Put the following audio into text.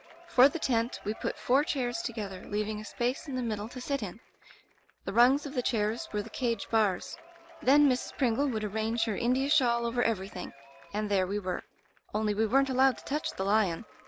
*'For the tent, we put four chairs together, leaving a space in the middle to sit in. The rungs of tfie chairs were the cage bars. Then Mrs. Pringle would arrange her India shawl over everything, and there we were. Only we weren't allowed to touch the lion.